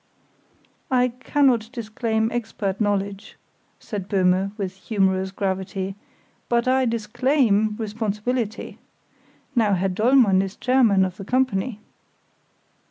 "I cannot disclaim expert knowledge," said Böhme, with humorous gravity; "but I disclaim responsibility. Now, Herr Dollmann is chairman of the company."